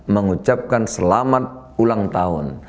mengucapkan selamat ulang tahun